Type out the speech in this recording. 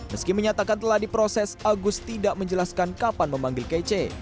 meski menyatakan telah diproses agus tidak menjelaskan kapan memanggil kece